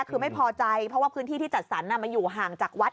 คือไม่พอใจเพราะว่าพื้นที่ที่จัดสรรมันอยู่ห่างจากวัด